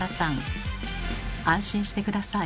安心して下さい。